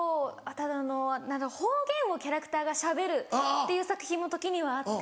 ただ方言をキャラクターがしゃべるっていう作品も時にはあって。